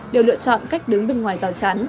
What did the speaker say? đều lựa chọn cách đứng đứng ngoài rào chắn